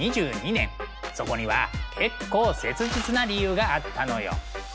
そこには結構切実な理由があったのよ。